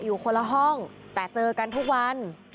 อยู่คนละห้องแต่เจอกันทุกวัน